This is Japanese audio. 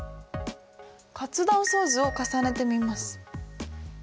活断層図を重ねてみます。